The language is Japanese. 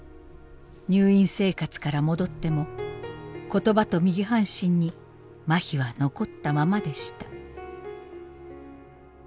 入院生活から戻っても言葉と右半身にまひは残ったままでした。